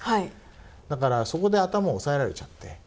だからそこで頭を押さえられちゃって。